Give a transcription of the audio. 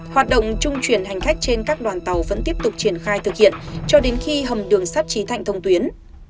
hoạt động trung chuyển hành khách trên các đoàn tàu vẫn tiếp tục triển khai thực hiện cho đến khi hầm đường sắt trí thạnh thông tuyến